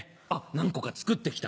何個か作って来た。